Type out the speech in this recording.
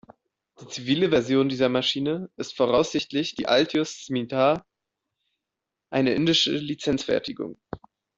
Die zivile Version dieser Maschine ist voraussichtlich die Altius Scimitar, eine indische Lizenzfertigung.